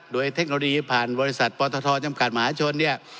โดยเทคโนโลยีผ่านบริษัทปทจำกัดมหาชนเนี่ย